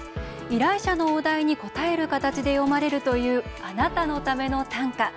依頼者のお題に応える形で詠まれるという「あなたのための短歌」。